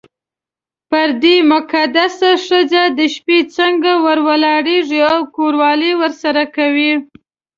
پر دې مقدسه ښځه د شپې څنګه ور ولاړېږې او کوروالی ورسره کوې.